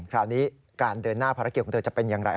คราวนี้การเดินหน้าภารกิจของเธอจะเป็นอย่างไร